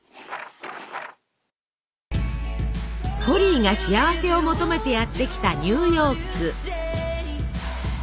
ホリーが幸せを求めてやって来たニューヨーク。